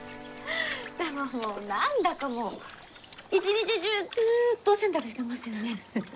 何だかもう一日中ずっとお洗濯してますよね？